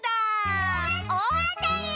おおあたり！